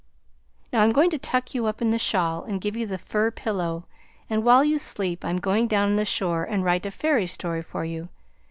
Now I'm going to tuck you up in the shawl and give you the fir pillow, and while you sleep I am going down on the shore and write a fairy story for you.